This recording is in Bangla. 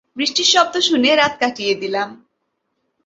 বৃষ্টির শব্দ শুনে রাত কাটিয়ে দিলাম।